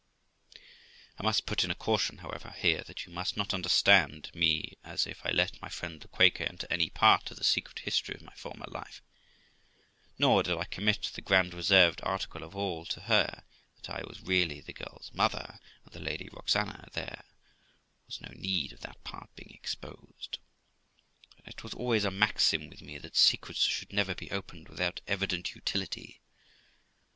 I must put in a caution, however, here, that you must not understand me as if I let my friend the Quaker into any part of the secret history of my former life; nor did I commit the grand reserved article of all to her, viz., that I was really the girl's mother, and the Lady Roxana; there was no need of that part being exposed ; and it was always a maxim with me, that secrets should never be opened without evident utility.